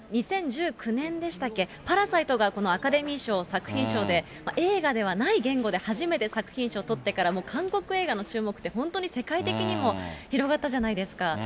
２０１９年でしたっけ、パラサイトが、このアカデミー賞作品賞で、映画ではない言語で初めて作品賞とってから、もう韓国映画の注目って本当に世界的にも広がったじゃないですか。